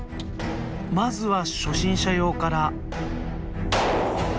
まずは初心者用から。